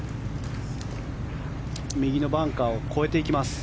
右のバンカーを越えていきます。